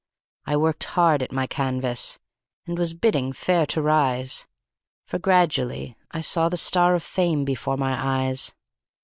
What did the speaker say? I worked hard at my canvas, and was bidding fair to rise, For gradually I saw the star of fame before my eyes.